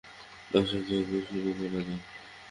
ধ্বংসযজ্ঞ শুরু করা যাক।